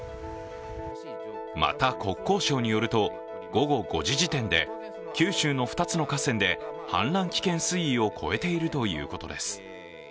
また、国交省によると午後５時時点で、九州の２つの河川で、氾濫危険水位を超えているということです。